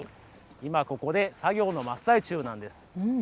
今ここで作業の真っ最中なんです。